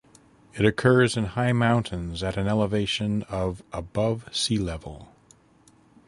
It occurs in high mountains at an elevation of above sea level.